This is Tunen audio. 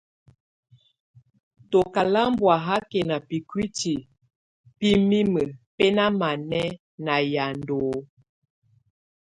Tɔka lámbɔ́a hákɛna bíkuítí bɛ mimə bɛnámanɛ́ na yanda ɔ́h.